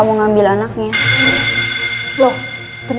katanya sih itu bukan anaknya tapi anaknya almarhum pak roy